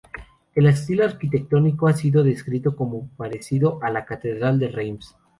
El estilo arquitectónico ha sido descrito como parecido a la catedral de Reims.